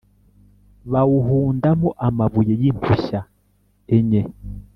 bawuhundamo amabuye y impushya enye